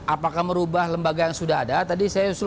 apakah merubah lembaga yang berkelolaan dengan anggaran